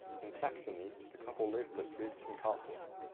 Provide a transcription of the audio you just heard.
In Saxony, the couple lived at Dresden Castle.